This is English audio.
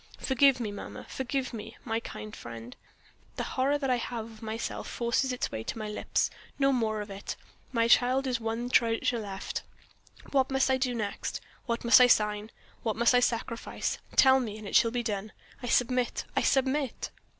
Forgive me, mamma; forgive me, my kind friend the horror that I have of myself forces its way to my lips. No more of it! My child is my one treasure left. What must I do next? What must I sign? What must I sacrifice? Tell me and it shall be done. I submit! I submit!"